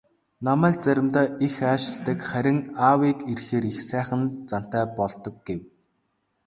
"Намайг заримдаа их аашилдаг, харин аавыг ирэхээр их сайхан зантай болдог" гэв.